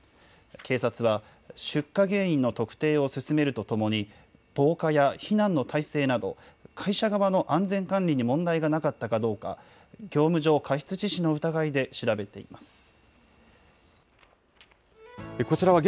警察は、出火原因の特定を進めるとともに、防火や避難の体制など、会社側の安全管理に問題がなかったかどうか、業務上過失致死の疑いで調べています。